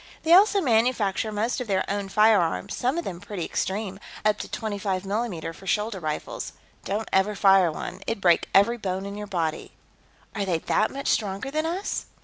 They also manufacture most of their own firearms, some of them pretty extreme up to 25 mm for shoulder rifles. Don't ever fire one; it'd break every bone in your body." "Are they that much stronger than us?"